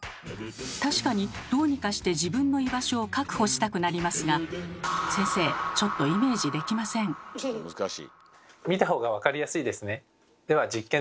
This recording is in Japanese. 確かにどうにかして自分の居場所を確保したくなりますが先生ちょっと見た方が分かりやすいですね。